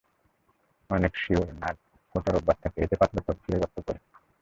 অনেক শিশুর নাক খোঁটার অভ্যাস থাকে, এতে পাতলা ত্বক ছিঁড়ে রক্ত পড়ে।